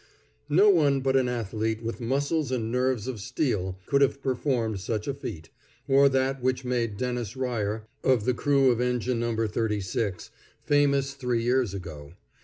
No one but an athlete with muscles and nerves of steel could have performed such a feat, or that which made Dennis Ryer, of the crew of Engine No. 36, famous three years ago.